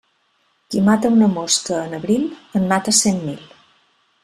Qui mata una mosca en abril, en mata cent mil.